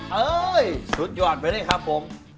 เฮ้ยสุดยอดไปเลยครับผม